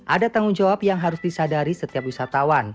ada tanggung jawab yang harus disadari setiap wisatawan